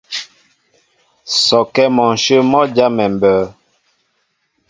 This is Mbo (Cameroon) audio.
Sɔkɛ mɔnshyə̂ mɔ́ jámɛ mbə̌.